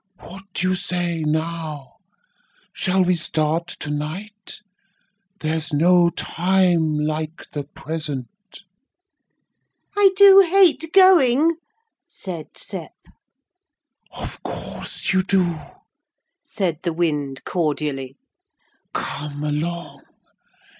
'What do you say now? Shall we start to night? There's no time like the present.' 'I do hate going,' said Sep. 'Of course you do!' said the wind, cordially. 'Come along.